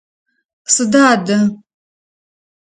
Сыда адэ?